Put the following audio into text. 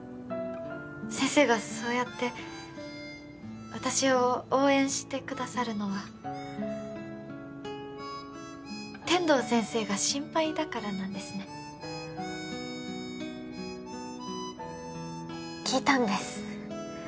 先生がそうやって私を応援してくださるのは天堂先生が心配だからなんですね聞いたんです